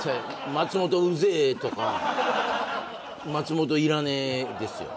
「松本ウゼぇ」とか「松本いらねぇ」ですよ。